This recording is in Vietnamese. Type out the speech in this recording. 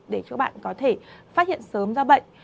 để cho các bạn có thể phát hiện sớm ra bệnh